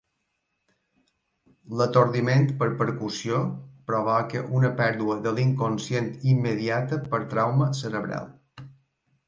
L'atordiment per percussió provoca una pèrdua de l'inconscient immediata per trauma cerebral.